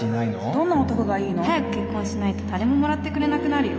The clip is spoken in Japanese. どんな男がいいの？早く結婚しないと誰ももらってくれなくなるよ。